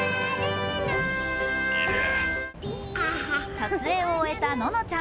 撮影を終えたののちゃん。